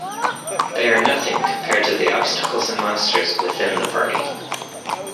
They are nothing compared to the obstacles and monsters "within" the party.